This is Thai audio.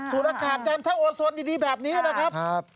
สูดอากาศยามเท่าโอโซนดีแบบนี้นะครับ